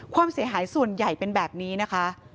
ความเสียหายส่วนใหญ่เป็นแบบนี้นะคะ